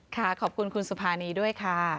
ขอบคุณคุณสุภานีด้วยค่ะ